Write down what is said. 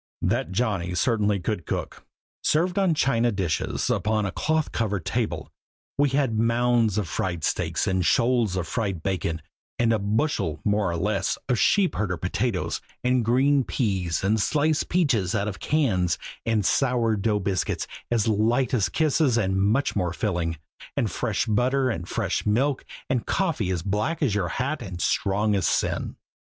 That Johnny certainly could cook! Served on china dishes upon a cloth covered table, we had mounds of fried steaks and shoals of fried bacon; and a bushel, more or less, of sheepherder potatoes; and green peas and sliced peaches out of cans; and sour dough biscuits as light as kisses and much more filling; and fresh butter and fresh milk; and coffee as black as your hat and strong as sin.